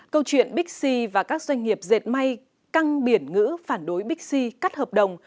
câu chuyện bixi và các doanh nghiệp dệt may căng biển ngữ phản đối bixi cắt hợp đồng